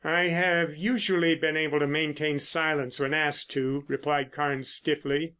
"I have usually been able to maintain silence when asked to," replied Carnes stiffly.